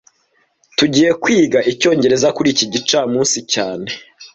Tugiye kwiga Icyongereza kuri iki gicamunsi cyane